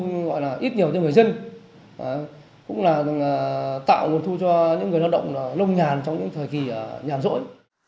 gọi là ít nhiều cho người dân cũng là tạo nguồn thu cho những người lao động lông nhàn trong những thời kỳ nhàn rỗi